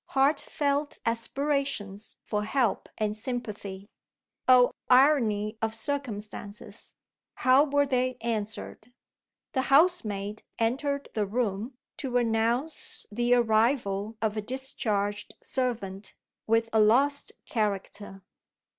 Heartfelt aspirations for help and sympathy! Oh, irony of circumstances, how were they answered? The housemaid entered the room, to announce the arrival of a discharged servant, with a lost character.